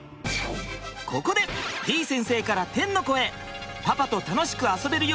ここでてぃ先生から天の声。